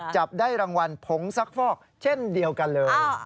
จับได้รางวัลผงซักฟอกเช่นเดียวกันเลย